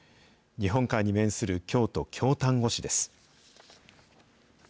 日本海に面する京都・京丹後市です。